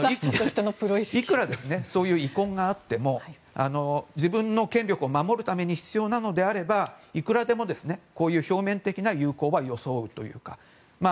いくらそういう遺恨があっても自分の権力を守るために必要なのであればいくらでも表面的な友好は装うというか。